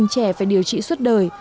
hai trẻ phải điều trị suốt đời